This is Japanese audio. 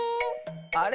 あれ？